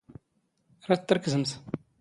ⵔⴰⴷ ⵜⵔⴽⵣⵎⵜ.